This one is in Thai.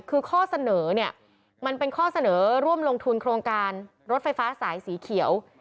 คือข้อเสนอเนี่ยมันเป็นข้อเสนอร่วมลงทุนโครงการรถไฟฟ้าสายสีเขียว